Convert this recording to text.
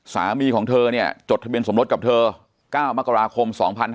สามีของเธอเนี่ยจดที่สมรสกับเธอก้าวมกราคม๒๕๐๐๖๖